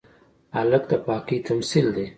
هلک د پاکۍ تمثیل دی.